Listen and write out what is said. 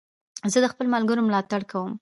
زه د خپلو ملګرو ملاتړ کوم.